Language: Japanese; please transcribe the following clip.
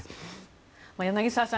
柳澤さん